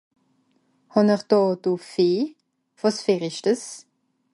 Hàn'r dàdo Vieh ? Wàs fer ìsch dìs ?